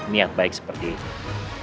niat baik seperti ini